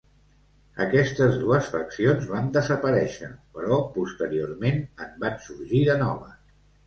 Aquestes dues faccions van desaparèixer, però posteriorment en van sorgir de noves.